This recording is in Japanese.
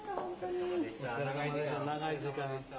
お疲れさまでした。